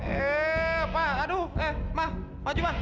eh pa aduh eh ma maju ma